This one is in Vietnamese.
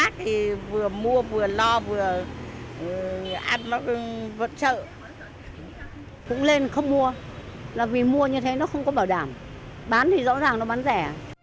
cũng lên không mua vì mua như thế nó không có bảo đảm bán thì rõ ràng nó bán rẻ